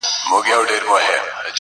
په شنو طوطیانو ښکلی ښکلی چنار-